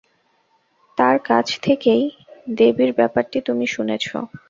তার কাছ থেকেই দেবীর ব্যাপারটি তুমি শুনেছ।